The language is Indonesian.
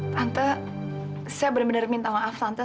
tante saya benar benar minta maaf tante